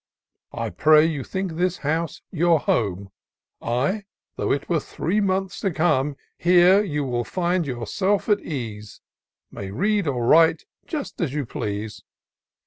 I pray you, think this house your home, — Ay, though it were three months to come. Here you will find yourself at ease — May read or write — just as you please.